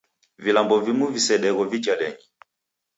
Vilambo vimu visedegho vijalenyi.